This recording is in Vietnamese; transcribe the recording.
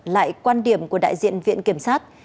lại quan điểm của đại diện viện kiểm sát